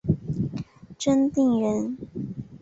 真定人。